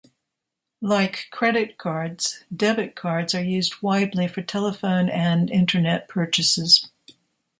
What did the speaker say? Like credit cards, debit cards are used widely for telephone and internet purchases.